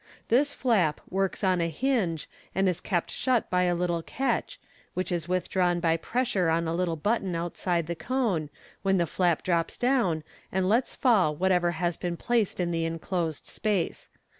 This flap works on a hinge, and is kept shut by a little catch, which is withdrawn by pressure on a little button outside the cone, when the flap drops down, and lets fall whatever has been placed in the enclosed space.